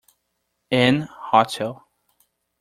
An hotel.